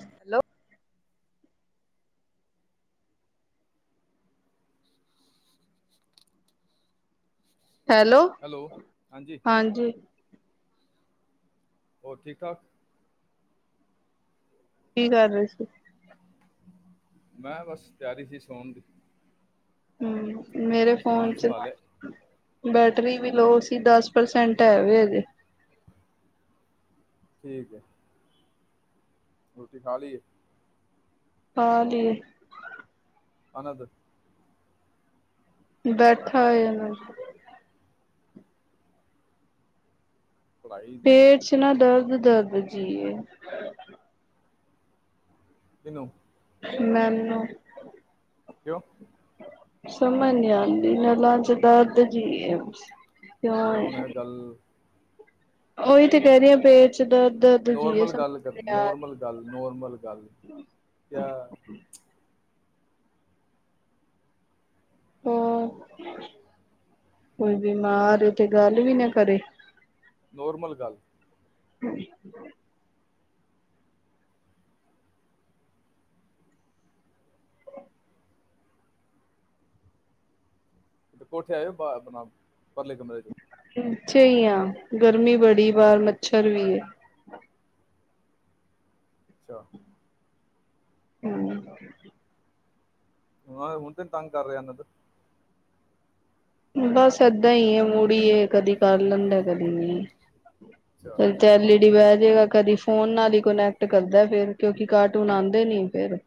Hello, hello, ਹਾਂਜੀ। ਹੋਰ, ਠੀਕ-ਠਾਕ। ਕੀ ਕਰ ਰਹੇ ਸੀ। ਮੈਂ ਬਸ ਤਿਆਰੀ ਸੀ। ਸੋਣ ਦੀ ਹਮ। ਮੇਰੇ ਫੋਨ ਸਮਾਨ ਚ ਸੰਭਾਲਿਆ ਬੈਟਰੀ ਵੀ ਲੋ ਸੀ ਦਸ ਪਰਸੈਂਟ ਐਵੇ ਅਜੇ ਠੀਕ ਹੈ। ਖਾ ਲਾਏ। ਹਾਂ ਜੀ। ਹਨਦ ਬੈਠਾ ਏ ਪੜ੍ਹਾਈ ਪੇਟ ਚ ਨਾ ਦਰਦ -ਦਰਦ ਜੀਏ। ਕਿਨੂੰ ਮੈਨੂੰ ਕਿਉਂ ਸਮਝ ਨੀਂ ਆਂਦੀ। ਨਾ ਲਾ ਚ ਦਰਦ ਕਿਉਂ ਯਾਰ ਹੁਨ ਏ? ਇਹ ਗੱਲ ਉਹੀ ਤੇ ਕਹਿ ਰਹੀ ਹੈ। ਪੇ ਨੋਰਮਲ ਗੱਲ ਕਰਨ, ਨੋਰਮਲ ਗੱਲ, ਨੋਰਮਲ ਗੱਲ ਕ ਹਾਂ। ਕੋਈ ਬਿਮਾਰ ਉ ਤੇੇ ਗੱਲ ਵੀ ਨਾ ਕਰੇ। ਨੋਰਮਲ ਗੱਲ ਹਮ ਤੇ ਕੋਠੇ ਆਇ ਆਪਣਾ ਪਰਲੇ ਕਮਰੇ ਚ ਅੱਛੇ ਹੀ ਹਾਂ ਗਰਮੀ ਬੜੀ ਵਾਰ ਮੱਛਰ ਵੀ ਹੈ ਅੱਛਾ ਹਮ ਹ ਹੁਣ ਤੇ ਤੰਗ ਕਰ ਰਿਹਾ ਇਹਨਾਂ ਦਾ ਬਸ ਏਦਾਂ ਹੀ ਹੈ ਮੁੜੀ ਹੈ ਕਦੀ ਕਰ ਲੈਂਦਾ ਹੈ ਕਦੀ ਨਹੀਂ ਅੱਛਾ ਚ ਤੇ ਐਲਈ ਡੀ ਬਹਿ ਜੇਗਾ ਕਦੀ ਫੋਨ ਨਾਲ ਹੀ ਕੋਨੈਕਟ ੱਟ ਕਰਦਾ ਫੇਿਰ ਕਿਉਂਕਿ ਕਾਰਟੂਨ ਆਉਂਦੇ ਨ ਫੇਿਰ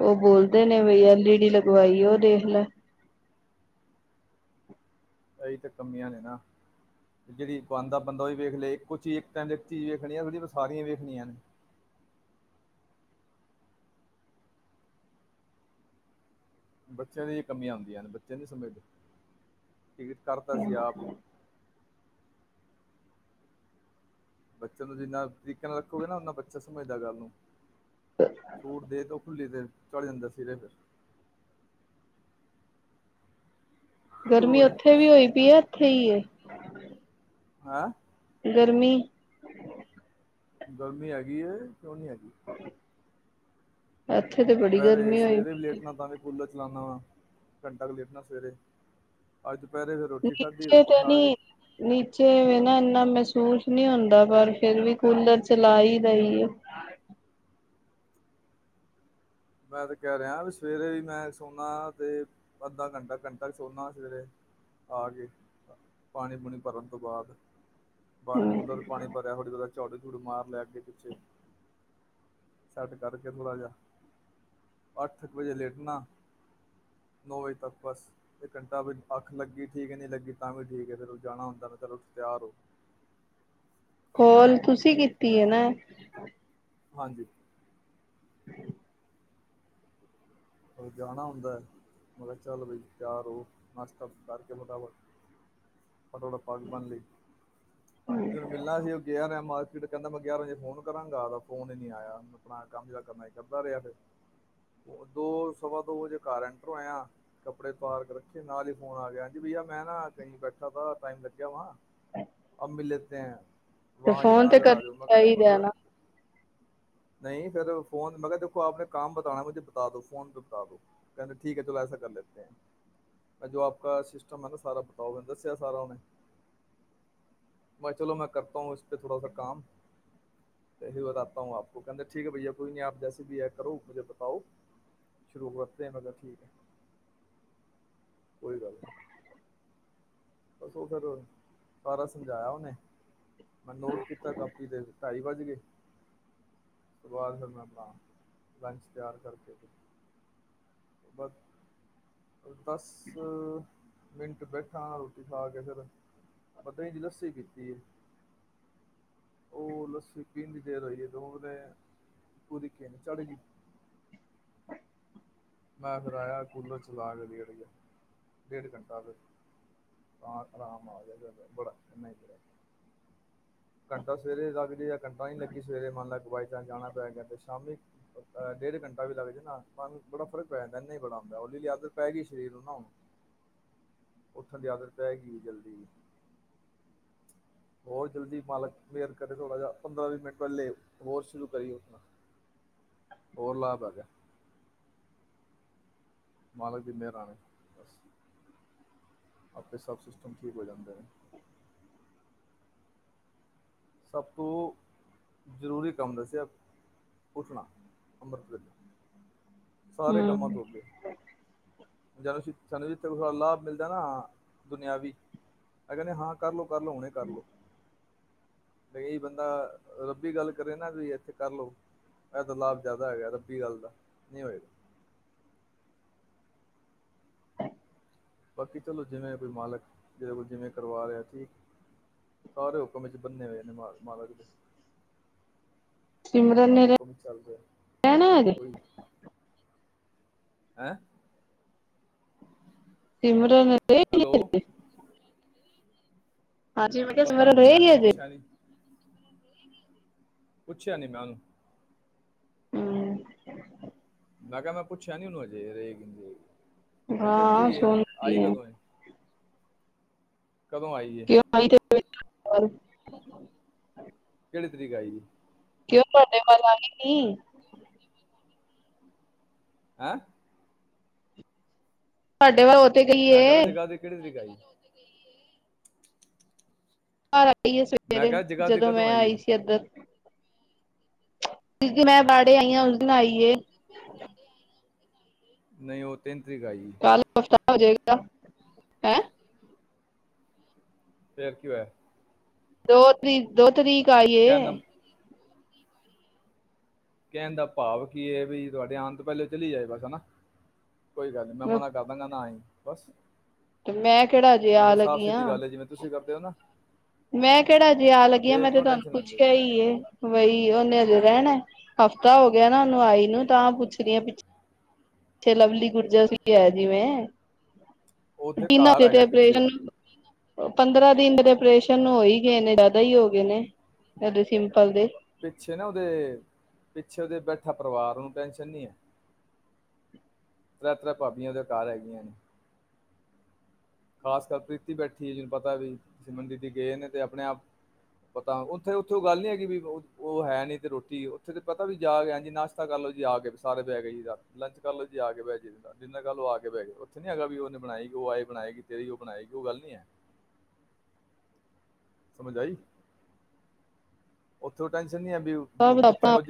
ਉਹ ਬੋਲਦੇ ਨੇ ਬਈ ਐਲਈ ਡੀ ਲਗਵਾਈ ਉਹ ਦੇਖ ਲੈ ਇਹੀ ਤਾਂ ਕਮੀਆਂ ਨੇ ਨਾ ਜਿਹੜੀ ਬੰਦ ਬੰਦਾ ਓਹੀ ਵੇਖ ਲਏ ਇੱਕੋ ਚੀਜ਼ ਟੈਮ ਚੀਜ਼ ਵੇਖਣੀ ਸਾਰੀਆਂ ਵੇਖਣੀਆਂ ਨੇ ਬੱਚਿਆਂ ਦੀ ਕਮੀਆਂ ਆਉਂਦੀਆਂ ਨੇ ਬੱਚੇ ਨੀ ਸਮਝਦੇ ਟਿਕਟ ਕਰਤਾ ਸੀ ਆਪ ਹੀ ਬੱਚਿਆਂ ਨੂੰ ਜਿੰਨਾ ਤਰੀਕੇ ਨਾਲ ਰੱਖੋਗੇ ਨਾ ਓਨਾ ਬੱਚਾ ਸਮਝਦਾ ਗੱਲ ਨੂੰ ਛੂਟ ਦੇ ਦੋ ਭੁੱਲੀ ਤੇ ਚੱਲ ਜਾਂਦਾ ਸਿਰੇ ਫਿਰ ਗਰਮੀ ਫਿਰ ਉੱਥੇ ਵੀ ਹੋਈ ਪਈ ਹੈ [unintelligible] ਹੈਂ ਗਰਮੀ ਗਰਮੀ ਹੈਗੀ ਏ ਕਿਉਂ ਨ ਨਹੀਂ ਹੈਗੀ ਇੱਥੇ ਤੇ ਬੜੀ ਦੁਪਹਿਰੇ ਗਰਮੀ ਹੋਈ ਸਵੇਰੇ ਵੀ ਲੇਟਣਾ ਤਾਂ ਵੀ ਕੂਲਰ ਚਲਾਉਦਾ ਵਾ ਘੰਟਾ ਕੁ ਲੇਟਣਾ ਸਵੇਰੇ ਅੱਜ ਦੁਪਹਿਰੇ ਫਿਰ ਰੋਟੀ ਖਾਧੀ ਨੀਚੇ ਰੋਟੀ ਤਾਂ ਖਾ ਕੇ ਨਹੀਂ ਨੀਚੇ ਨਾ ਨਾ ਮਹਿਸੂਸ ਨਹੀਂ ਹੁੰਦਾ ਪਰ ਫੇਿਰ ਵੀ ਕੂਲਰ ਚਲਾਈ ਦਾ ਹੀ ਮੈਂ ਤੇ ਕਹਿ ਰਿਹਾ ਵੀ ਸਵੇਰੇ ਵੀ ਮੈਂ ਸੋਦਾ ਤੇ ਅੱਧਾ ਘੰਟਾ ਘੰਟਾ ਸੋਨਾ ਸਵੇਰੇ ਆ ਕੇ ਪਾਣੀ ਪੂਣੀ ਭਰਨ ਤੋਂ ਬਾਅਦ ਬਾਹਰ ਹਮ ਕੂਲਰ ਪਾਣੀ ਭਰਿਆ ਹੋਲੀ ਝਾੜੂ ਝੁੜ੍ਹੁ ਮਾਰ ਲਿਆ ਅੱਗੇ ਪਿੱਛੇ ਸੈਟ ਕਰਕੇ ਥੋੜਾ ਜਹਾ ਅੱਠ ਕੁ ਵਜੇ ਲੇਟ ਨਾ ਨੌ ਵਜੇ ਤੱਕ ਬਸ ਇੱਕ ਘੰਟਾ ਅੱਖ ਲੱਗੀ ਠੀਕ ਹੈ ਨਹੀਂ ਲੱਗੀ ਤਾਂ ਵੀ ਠੀਕ ਹੈ ਫਿਰ ਜਾਣਾ ਹੁੰਦਾ ਤਾਂ ਚਲੋ ਤਿਆਰ ਹੋ ਕੋਲ ਤੁਸੀਂ ਕੀਤੀ ਨਾ ਹਾਂਜੀ ਹਮ ਅ ਜਾਣਾ ਹੁੰਦਾ ਹੈ ਮ ਕਿਹਾ ਚੱਲ ਭਾਈ ਤਿਆਰ ਹੋ ਨਾਸ਼ਤਾ ਕਰਕੇ ਫਟਾਵਟ ਫਟਾਫਟ ਪਾਕ ਬਣ ਲਈ ਜਹਨੂੰ ਮਿਲਣਾ ਸੀ ਉਹ ਗਿਆਰਹਾ ਮਾਰਚ ਕਹਿੰਦਾ ਮੈਂ ਗਿਆਰਾਂ ਵਜੇ ਫੋਨ ਕਰਾਂਗਾ ਫੋਨ ਹੀ ਨੀ ਆਇਆ ਆਪਣਾ ਕੰਮ ਜਿਹੜਾ ਕਰਨਾ ਕਰਦਾ ਰਿਹਾ ਫਿਰ ਦੋ ਸਵਾ ਦੋ ਵਜੇ ਘਰ ਐਂਟਰ ਹੋਏਆ ਕੱਪੜੇ ਪਾਰ ਕੇ ਰੱਖੇ ਨਾਲ ਹੀ ਫੋਨ ਆ ਗਿਆ ਹਾਂਜੀ ਭਈਆ ਮੈਂ ਨਾ ਕਹੀ ਬੈਠਾ ਾ ਟਾਈਮ ਲੱਗਿਆ ਵਹਾ ਅਬ ਮਿਲ ਲਤੇ ਹੈ ਤੇ ਵਾਂ ਫੋਨ ਤੇ ਯਮੁਨਾਗਰ ਆ ਜਾਓ ਦੇਖੋ ਮੈ ਕਰਨਾ ਕਿਹਾ ਦੇਖੋ ਚਾਹੀਦਾ ਸਰ ਨਾ। ਨਹੀਂ ਫਿਰਰ ਫੋਨ ਮੈਂ ਕਿਹਾ ਦੇਖੋ ਆਪ ਨੇ ਕਮ ਬਤਾਨਣਾ ਮੁਝੇ ਫੋਨ ਪੇ ਬਤਾ ਦੋ ਕਹਿੰਦੇ ਠੀਕ ਚਲੋ ਐਸਾ ਕਰ ਲੇਤੇ ਹੈ ਜੋ ਅਪਕਾ ਸਿਸਟਮ ਹੈ ਨਾ ਸਾਰਾ ਬਤਾਓ ਮੇਨ ਦੱਸਿਆ ਸਾਰਾ ਓਹਨੇ ਚਲੋ ਮੈਂ ਕਰਤਾ ਹੂ ਇਸ ਪੇ ਥੋੜਾ ਕੰਮ ਬਤਾਤਾ ਹੂ ਅਪਕੋ ਕਹਿੰਦੇ ਠੀਕ ਭ ਕੋਈ ਨੀ ਬਾਇਯਅ ਜੈੇ ਵੀ ਹੈ ਕਰੋ ਮੁਝੇ ਬਤਾਓ ਸ਼ੁਰੂਆ ਤੇ ਮਤਲਬ ਠੀਕ ਹੈ ਕੋਈ ਗੱਲ ਨੀ ਬਸ ਉਹ ਫਿਰ ਸਾਰਾ ਸਮਜਾਇਆ ਉਹਨੇ ਮੈਂ ਨੋਟ ਕੀਤਾ ਕਾਪੀ ਤੇ ਢਾਈ ਵੱਜ ਗਏ ਉਸ ਬਾਅਦ ਫਿਰ ਮੈਂ ਬਣਾ ਲੰਚ ਤਿਆਰ ਕਰਕੇ ਬਸ ਦਸ ਮਿੰਟ ਬੈਠਾ ਰੋਟੀ ਖਾ ਕੇ ਫੇਰ [unintelligible] ਦੀ ਲੱਸੀ ਪੀਤੀ ਹੈ ਉਹ ਲੱਸੀ ਪੀਂਦੀ ਦੇਰ ਹੋਈਏ [unintelligible] ਪੂਰੀ ਕਿਨ ਚੜ੍ਹ ਗਈ ਮੈਂ ਫਿਰ ਆਇਆ ਕੂਲਰ ਚਲਾ ਕੇ ਉੜੀ ਗਿਆ ਡੇੜ ਘੰਟਾ ਆਰਾਮ ਆ ਗਿਆ ਫਿਰ ਬੜਾ [unintelligible] ਘੰਟਾ ਸਵੇਰੇ ਲੱਗ ਜਾ ਜਾਂ ਘੰਟਾ ਨੀ ਲੱਗੀ ਸਵੇਰੇ ਮੰਨ ਲੱਗ ਬਾਈ ਤਾਂ ਜਾਣਾ ਪੈ ਗਿਆ ਤੇ ਸ਼ਾਮੀ ਡੇਢ ਘੰਟਾ ਵੀ ਲੱਗ ਜੇ ਨਾ ਬੜਾ ਫਰਕ ਪੈ ਜਾਂਦਾ ਇਨਾ ਬੜਾ ਹੁੰਦਾ ਉਹਦੀ ਦੀ ਆਦਤ ਪੈ ਗਈ ਸਰੀਰ ਨਾ ਹੁਣ ਉੱਥਣ ਦੀ ਆਦਤ ਪੈ ਗਈ ਜਲਦੀ ਹੋਰ ਜਲਦੀ ਮਾਲਕ ਮੇਹਰ ਕਰੇ ਥੋੜਾ ਜਿਹਾ ਪੰਦਰਾਂ ਵੀਹ ਮਿੰਟ ਪਹਿਲੇ ਹੋਰ ਸ਼ੁਰੂ ਕਰੀ ਉਣਾ ਹੋਰ ਲਾ ਮਾਲਕ ਦੀ ਮਿਹਰਾਂ ਨੇ ਬਸ ਆਪੇ ਸਭ ਸਿਸਟਮ ਠੀਕ ਹੋ ਜਾਂਦੇ ਨੇ ਸਭ ਤੋਂ ਜ਼ਰੂਰੀ ਕੰਮ ਦੱਸਿਆ ਉੱਠਣਾ ਅੰਮ੍ਰਿਤ ਵੇਲੇ ਸਾਰੇ ਕੰਮਾਂ ਹਮ ਤੋਂ ਅੱਗੇ [unintelligible] ਸਾਨੂੰ ਜਿੱਥੇ ਥੋੜਾ ਲਾਭ ਮਿਲਦਾ ਨਾ ਦੁਨੀਆਂ ਵੀ ਆਹ ਕਹਿੰਦੇ ਹਾਂ ਕਰ ਲੋ ਕਰ ਲੋ ਹੁਣੇ ਕਰਲੋ ਕਈ ਬੰਦਾ ਰੱਬੀ ਗੱਲ ਕਰੇ ਨਾ ਵੀ ਇੱਥੇ ਕਰ ਲਓ ਇਹ ਤਾਂ ਲਾਭ ਜ਼ਿਆਦਾ ਹੈਗਾ ਰੱਬੀ ਗੱਲ ਦਾ ਨਹੀਂ ਹੋਏਗਾ ਬਾਕੀ ਚਲੋ ਜਿਵੇਂ ਕੋਈ ਮਾਲਕ ਜਿਹਦੇ ਕੋਲ ਜਿਵੇਂ ਕਰਵਾ ਰਿਹਾ ਠੀਕ ਸਾਰੇ ਹੁਕਮ ਵਿੱਚ ਬੰਨੇ ਹੋਏ ਨੇ ਮਾਲ ਮਾਲਕ ਦੇ ਸਿਮਰਨ ਨੇ ਬਾਪੁੱਖਮ ਚੱਲਦਾ ਰਹਿਣਾ ਹਜੇ ਕੋਈ ਹੈਂ ਹੈਲੋ [unintelligible] ਹਾਂਜੀ ਮੈਂ ਕਿਹਾ ਪਤਾ ਨੀ ਮੈਂ ਤੇ [unintelligible] ਪੁੱਛਿਆ ਨੀ ਪੁੱਛਿਆ ਨੀ ਮੈਂ ਉਹਨੂੰ ਹੂੰ ਮੈਂ ਕਿਹਾ ਮੈਂ ਪੁੱਛਿਆ ਨੀ ਉਹਨੂੰ ਹਜੇ ਰਹੇਗੀ ਨਹੀਂ ਰਹੇਗੀ ਹਲੇ ਤੇ ਇੱਥੇ ਹਾਂ ਹੀ ਹੈ ਸੁਣਦੀ ਆਈ ਆ ਕਦੋਂ ਏ ਹੈ ਕਿਉਂ ਆਈ ਤੇ ਹੂੰ ਇੱਕ ਤਰੀਕ ਆਈ ਜੀ ਕਿਉਂ [unintelligible] ਹੈਂ ਤੁਹਾਡੇ ਵੱਲ ਤੇ ਗਈ ਮੈਂ ਕਹਿੰਦਾ ਏ ਜਗ੍ਹਾ ਦੀ ਕਿਹੜੀ ਤਰੀਕ ਆਈ ਹਾਂ ਆਈਏ ਮੈਂ ਸਵੇਰੇ ਕਿਹਾ ਜਗ੍ਹਾ ਦੀ ਜਦੋਂ ਕਦੋਂ ਮੈਂ ਆਈ ਉਹ ਸੀ ਇੱਧਰ ਜਿਸ ਦਿਨ ਮੈਂ [unintelligible] ਆਈ ਹਾਂ ਉਸ ਦਿਨ ਆਈਏ ਨਹੀਂ ਉਹ ਤਿੰਨ ਤਰੀਕ ਆਈ ਕੱਲ ਹਫ਼ਤਾ ਹੋ ਜਾਏਗਾ ਹੈਂ ਫਿਰ ਕੀ ਹੋਇਆ ਦੋ ਤਰੀਕ ਦੋ ਤਰੀਕ ਕਹਿਣ ਦਾ [unintelligible] ਕਹਿਣ ਦਾ ਭਾਵ ਕੀ ਹੈ ਵੀ ਤੁਹਾਡੇ ਆਣ ਪਹਿਲੇ ਚਲੀ ਜਾਏ ਬਸ ਹਨਾ ਕੋਈ ਗੱਲ ਨੀ ਮੈਂ ਮਨਾ ਕਰਦਾਂਗਾ ਨਾ ਆਈ ਬਸ, ਤੇ ਮੈਂ ਕਿਹੜਾ ਹਜੇ ਹੁਣ ਆ ਤਾਂ ਸਾਫ਼ ਸਿੱਧੀ ਲੱਗੀਆਂ। ਗੱਲ ਹੈ ਜਿਵੇਂ ਤੁਸੀਂ ਕਰਦੇ ਔ ਨਾ, ਮੈਂ ਕਿਹੜਾ ਜੇ ਆ ਲੱਗੀਆਂ ਫੇਰ ਮੈਂ ਤੇ ਕਿਉਂ ਤੁਹਾਨੂੰ ਟੈਨਸ਼ਨ ਲੈਂਦੇ ਹੋ ਪੁੱਛਿਆ ਹੀਏ ਬਈ ਉਨੇ ਹਜੇ ਰਹਿਣਾ ਹਫਤਾ ਹੋ ਗਿਆ ਨਾ ਉਹਨੂੰ ਆਈ ਨੂੰ ਤਾਂ ਪੁੱਛਦੀ ਆ ਪਿੱਛ ਇੱਛੇ ਲਵਲੀ ਗੁਰਜਰ ਵੀ ਹੈ ਜਿਵੇਂ ਉਹਦੇ [unintelligible] ਨਾਂ ਘਰ ਹੈਗਾ ਪਿੱਛੇ ਪੰਦਰਾਂ ਦਿਨ ਔਪਰੇਸ਼ਨ ਹੋ ਹੀ ਗਏ ਨੇ ਜ਼ਿਆਦਾ ਹੀ ਹੋ ਗਏ ਨੇ ਸਿੰਪਲ ਤੇ ਪਿੱਛੇ ਨਾ ਉਹਦੇ ਪਿੱਛੇ ਉਹਦੇ ਬੈਠਾ ਪਰਿਵਾਰ ਨੂੰ ਟੈਸ਼ਨ ਨੀ ਹੈ। ਤਰਾ ਤਰਾ ਭਾਬੀਆਂ ਉਹਦੇ ਘਰ ਹੈਗੀਆਂ ਨੇ, ਖਾਸ ਕਰ ਪ੍ਰੀਤੀ ਬੈਠੀ ਹੈ, ਜਿਹਨੂੰ ਪਤਾ ਵੀ ਸਿਮਨ ਦੀਦੀ ਗਏ ਨੇ ਤੇ ਆਪਣੇ ਆਪ ਪਤਾ ਉੱਥੇ-ਉੱਥੇ ਉਹ ਗੱਲ ਨੀ ਹੈਗੀ ਵੀ ਉਹ ਹੈ ਨੀ ਨਹੀਂ ਤੇ ਰੋਟੀ ਉੱਥੇ ਤੇ ਪਤਾ ਵੀ ਜਾ ਗਿਆ ਜੀ ਨਾਸ਼ਤਾ ਕਰ ਲਓ ਜੀ ਆ ਕੇ ਸਾਰੇ ਬਹਿ ਗਏ ਜੀ ਰਾਤ ਲੰਚ ਕਰ ਲਓ ਜੀ ਆ ਕੇ ਬਹਿ ਜੀ ਡਿਨਰ ਕਰ ਲਓ ਆ ਕੇ ਬਹਿ ਗਏ ਉੱਥੇ ਨੀ ਹੈਗਾ ਵੀ ਉਹਨੇ ਬਣਾਈ ਗੀ ਉਹ ਆਏ ਬਣਾਏਗੀ। ਤੇਰੀ ਉਹ ਬਣਾਏਗੀ ਉਹ ਗੱਲ ਨੀ ਹੈ। ਸਮਝ ਆਈ। ਉੱਥੋਂ ਟੈਨ [unintelligible]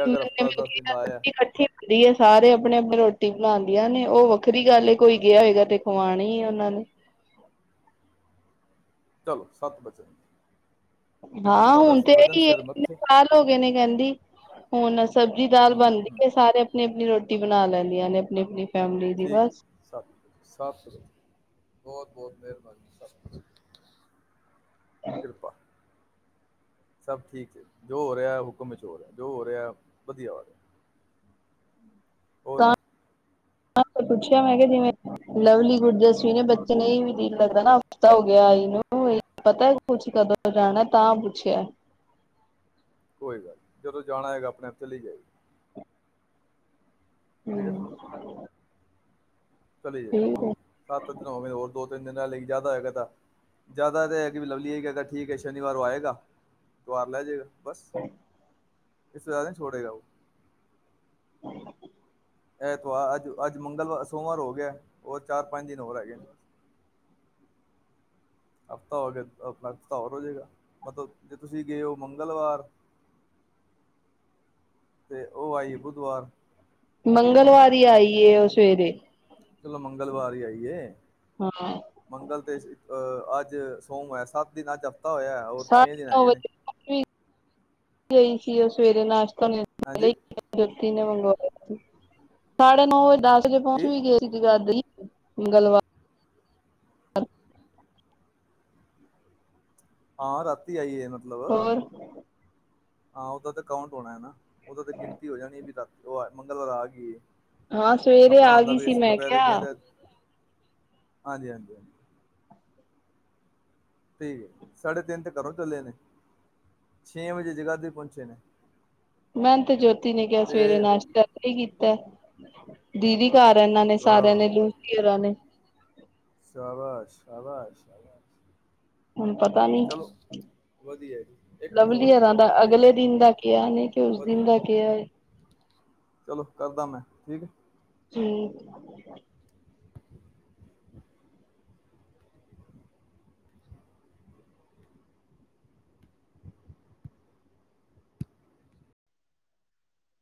ਇਕੱਠੀ ਅਗਰ ਹਫਤਾ ਦਿਨ ਦਾ ਆਇਆ ਹੁੰਦੀ ਹੈ ਸਾਰੇ ਆਪਣੇ ਆਪਣੇ ਰੋਟੀ ਰੋਟੀ ਬਣਾਦੀਆਂ ਨੇ ਉਹ ਵੱਖਰੀ ਗੱਲ ਕੋਈ ਗਿਆ ਹੋਏਗਾ ਤੇ ਖਵਾਣੀ ਉਹਨਾਂ ਨੇ ਚਲੋ ਸੱਤ ਵੱਜੇ, ਹਾਂ ਹੁਣ ਤੇ ਇਹੀ ਐ ਮੱਥੇ ਸਾਲ ਹੋ ਗਏ ਨੇ ਕਹਿੰਦੀ ਹੁਣ ਸਬਜ਼ੀ ਦਾਲ ਹੂੰ ਬਣਦੀ ਹੂੰ ਹੈ ਸਾਰੇ ਆਪਣੀ-ਆਪਣੀ ਰੋਟੀ ਬਣਾ ਲੈਂਦੀਆਂ ਨੇ ਆਪਣੀ-ਆਪਣੀ, ਠੀਕ ਸਾ ਸਾਫ਼ ਸੁਥਰਾ ਬਹੁਤ-ਬਹੁਤ ਮਿਹਰਬਾਨੀ [unintelligible] ਸਭ ਠੀਕ ਐ ਜੋ ਹੋ ਰਿਹਾ ਹੁਕਮ ਵਿੱਚ ਹੋ ਰਿਹਾ ਜੋ ਹੋ ਰਿਹਾ ਵਧੀਆ ਹੋ ਰਿਹਾ। ਔਰ, ਤਾਂ ਪੁੱਛਿਆ ਮੈਂ ਕਿਹਾ ਜਿਵੇਂ ਲਵਲੀ ਗੁਰਦਸਵੀ ਨੇ ਬੱਚੇ ਨੂੰ ਨਹੀ ਵੀ ਜੀ ਲੱਗਦਾ ਨਾ ਹਫਤਾ ਹੋ ਗਿਆਨੂੰ ਪਤਾ ਕੁਛ ਕਦੋਂ ਜਾਣਾ ਤਾਂ ਪੁੱਛਿਆ ਕੋਈ ਗੱਲ ਨਹੀਂ ਜਦੋਂ ਜਾਣਾ ਹੈਏਗਾ ਆਪਣੇ ਆਪ ਚਲੀ ਜਾਏਗੀ। ਹੂੰ, ਠੀਕ ਹੈ ਨਾ ਚਲੀ ਜਾਏ ਸੱਤ ਦਿਨ ਹੋਵੇਂ ਹੋਰ ਦੋ ਤਿੰਨ ਦਿਨ ਲਾਲੇਗੀ ਜ਼ਿਆਦਾ ਹੋਏਗਾ ਤਾਂ ਜ਼ਿਆਦਾ ਤਾਂ ਹੈ ਕਿ ਵੀ ਲਵਲੀ ਆਏਗਾ ਠੀਕ ਹੈ ਸ਼ਨੀਵਾਰ ਔ ਆਏਗਾ ਤਾ ਉਹ ਨਾਲ ਲੈਜੇਗਾ। ਬਸ, ਇਸੇ ਤਰਾ ਨੀ ਛੋੜੇਗਾ ਉਹ, ਇਹ ਤੋ ਆ ਅੱਜ ਅੱਜ ਮੰਗਲਵਾਰ ਸੋਮਵਾਰ ਹੋ ਗਿਆ ਔਰ ਚਾਰ ਪੰਜ ਦਿਨ ਹੋਰ ਰਹਿ ਗਏ। ਹਫ਼ਤਾ ਹੋ ਗਿਆ ਆਪਣਾ ਹਫ਼ਤਾ ਹੋਰ ਹੋ ਜਾਏਗਾ ਮਤਲਬ ਜੇ ਤੁਸੀਂ ਗਏ ਹੋ ਮੰਗਲਵਾਰ ਤੇ ਉਹ ਆਈ ਬੁਧਵਾਰ ਮੰਗਲਵਾਰ ਆਈ ਉਹ ਸਵੇਰੇ ਚਲੋ ਮੰਗਲਵਾਰ ਹੀ ਆਈਏ ਹਾਂ ਮੰਗਲ ਤੇ ਅਹ ਅੱਜ ਸੋਮਵਾਰ ਹੋਇਆ ਸੱਤ ਦਿਨ ਅੱਜ ਪਤਾ ਹੋਇਆ ਹੋਰ ਛੇ ਸਾਢੇ ਦਿਨ ਆ ਨੌ ਗਏ ਨੇ ਵਜੇ ਗਈ ਸੀ ਉਹ ਸਵੇਰੇ ਨਾਸ਼ਤਾ [inaudible] ਹਾਂਜੀ ਮੰਗਵਾਇਆ ਸੀ ਸਾਢੇ ਨੌ ਵਜੇ ਦਸ ਜੇ ਪਹੁੰਚ ਕੀ ਵੀ ਗਏ ਸੀਗਾ ਮੰਗਲਵਾਰ ਹਾਂ ਰਾਤੀ ਆਈਏ ਨਾ ਮਤਲਬ ਹੋਰ ਹਾਂ ਉਦਾਂ ਤਾਂ ਕਾਊਂਟ ਹੋਣਾ ਹੈ ਨਾ ਉਦਾਂ ਤਾਂ ਗਿਣਤੀ ਹੋ ਜਾਣੀ ਹੈ ਵੀ ਰਾਤੀ ਉਹ ਮੰਗਲਵਾਰ ਆ ਗਈ ਹਾਂ ਸਵੇਰੇ ਆਪਣਾ ਆ ਹੁੰਦਾ ਗਈ ਵੀ ਸੀ ਅਸੀਂ ਮੈਂ ਦੁਪਹਿਰੇ ਗਏ ਕਿਹਾ ਤੇ ਹਾਂਜੀ ਹਾਂਜੀ ਹਾਂਜੀ ਠੀਕ ਹੈ ਸਾਢੇ ਤਿੰਨ ਘਰ ਚੱਲੇ ਨੇ ਛੇ ਵਜੇ ਜਗ੍ਹਾ ਤੇ ਪਹੁੰਚੇ ਨੇ ਮੈਂ ਤੇ ਜੋਤੀ ਨੇ ਕਿਹਾ ਤੇ ਸਵੇਰੇ ਨਾਸ਼ਤਾ ਹੀ ਕੀਤਾ ਦੀਦੀ ਘਰ ਇਹਨਾਂ ਨੇ ਵਾਹ ਸਾਰਿਆਂ ਨੇ ਲੂਸਾਂ ਨੇ ਸਾਬਸ ਸ਼ਾਬਸ ਸ਼ ਆਾਬਸ ਹੁਣ ਪਤਾ ਨੀ ਵਧੀਆ ਜੀ ਇੱਕ ਮਿੰਟ ਹੋਲਡ ਲਵਲੀਅਰਾਂ ਕਰੋ ਦਾ ਕੋਈ ਗੱਲ ਅਗਲੇ ਨੀ ਦਿਨ ਦਾ ਕਿਹਾ ਨੇ ਕਿ ਉਸ ਦਿਨ ਵਧੀਆ ਦਾ ਕਿਹਾ ਹੈ ਚਲੋ ਕਰਦਾ ਮੈਂ ਠੀਕ ਜਠੀ [inaudible]